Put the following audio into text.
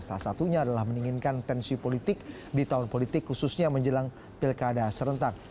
salah satunya adalah mendinginkan tensi politik di tahun politik khususnya menjelang pilkada serentak